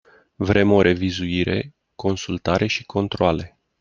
Vrem o revizuire, consultare și controale.